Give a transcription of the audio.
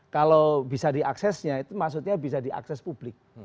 kalau bisa diaksesnya itu maksudnya bisa diakses publik